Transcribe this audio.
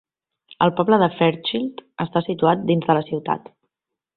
El poble de Fairchild està situat dins de la ciutat.